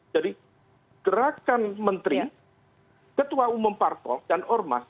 jadi gerakan menteri ketua umum partok dan ormas